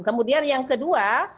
kemudian yang kedua